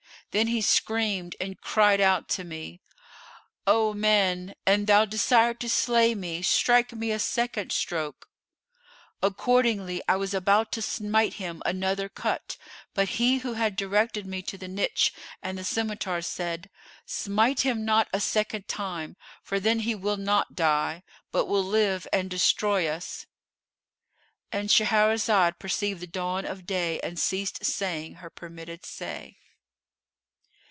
Then he screamed and cried out to me, "O man, an thou desire to slay me, strike me a second stroke." Accordingly, I was about to smite him another cut; but he who had directed me to the niche and the scymitar said, "Smite him not a second time, for then he will not die, but will live and destroy us."——And Shahrazad perceived the dawn of day and ceased saying her permitted say.